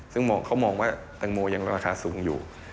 ซึ่งเขามองว่าแตงโมยังราคาสูงอยู่